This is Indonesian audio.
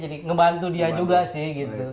jadi ngebantu dia juga sih